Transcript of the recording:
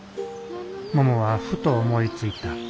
ももはふと思いついた。